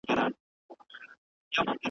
او ډېر خاموش او آرام ښکارېدی ,